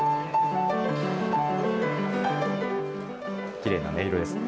きれいな音色ですね。